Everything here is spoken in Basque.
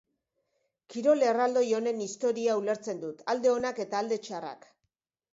Kirol erraldoi honen historia ulertzen dut, alde onak eta alde txarrak.